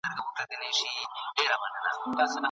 ټولنیز قوانین د پوهانو لخوا کشف شوي دي.